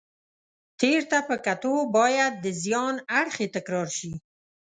تېر ته په کتو باید د زیان اړخ یې تکرار شي.